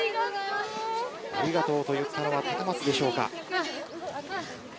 ありがとうと言ったのは高松でしょうか。